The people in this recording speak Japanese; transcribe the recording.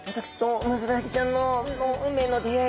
ウマヅラハギちゃんとの運命の出会い！